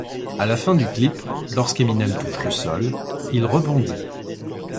À la fin du clip, lorsque Eminem touche le sol, il rebondit.